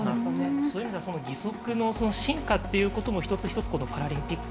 そういう意味では義足の進化ということも一つ一つパラリンピック